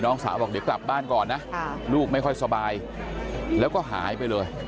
สาวบอกเดี๋ยวกลับบ้านก่อนนะลูกไม่ค่อยสบายแล้วก็หายไปเลย